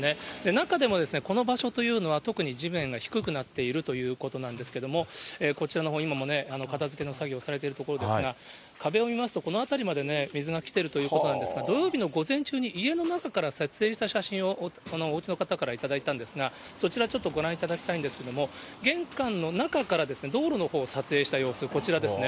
中でもこの場所というのは、特に地面が低くなっているということなんですけれども、こちらのほう、今もね、片づけの作業されているところですが、壁を見ますと、この辺りまで水が来ているということなんですが、土曜日の午前中に家の中から撮影した写真をおうちの方から頂いたんですが、そちら、ちょっとご覧いただきたいんですけれども、玄関の中からですね、道路のほう撮影した様子、こちらですね。